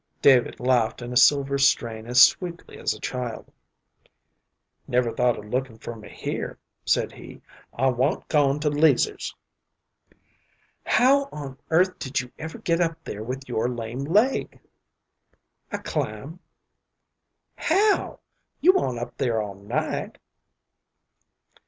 David laughed in a silver strain as sweetly as a child. "Never thought of lookin' for me here," said he. "I wa'n't goin' to 'Leazer's." "How on earth did you ever get up there with your lame leg?" "I clim." "How? You wa'n't up there all night?"